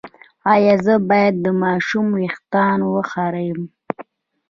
ایا زه باید د ماشوم ویښتان وخرییم؟